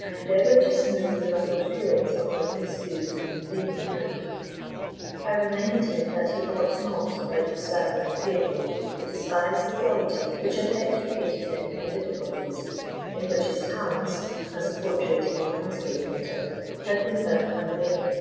I endeavoured to smooth the ruffled feelings of my misused and indignant friend. I reminded him that he ought not, like the stag in the fable, to despise the quality which had extricated him from difficulties, in which his talents, as a portrait or landscape painter, had been found unavailing.